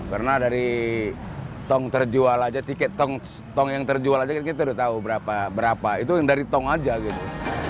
karena dari tong terjual aja tiket tong yang terjual aja kita udah tau berapa itu dari tong aja gitu